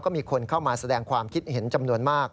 ก็มีคนเข้ามาแสดงความคิดเห็นจำนวนมาก